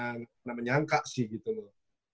enggak pernah menyangka sih gitu loh